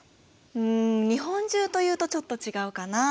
うん日本中というとちょっと違うかな。